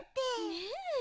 ねえ。